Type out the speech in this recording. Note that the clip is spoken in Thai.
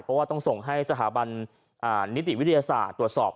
เพราะว่าต้องส่งให้สถาบันนิติวิทยาศาสตร์ตรวจสอบ